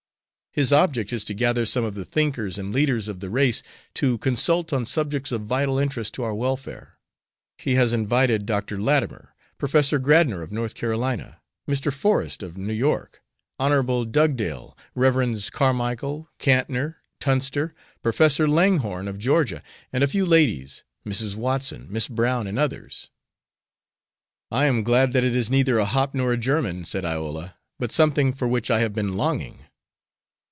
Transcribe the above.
"His object is to gather some of the thinkers and leaders of the race to consult on subjects of vital interest to our welfare. He has invited Dr. Latimer, Professor Gradnor, of North Carolina, Mr. Forest, of New York, Hon. Dugdale, Revs. Carmicle, Cantnor, Tunster, Professor Langhorne, of Georgia, and a few ladies, Mrs. Watson, Miss Brown, and others." "I am glad that it is neither a hop nor a german," said Iola, "but something for which I have been longing."